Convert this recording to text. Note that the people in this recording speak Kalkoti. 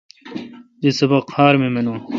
دی سبق خار می مینون۔